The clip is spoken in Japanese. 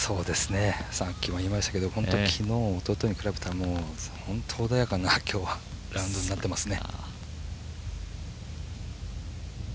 さっきもいいましたけど昨日、おとといに比べたらもう、本当穏やかな今日はラウンドになってますね。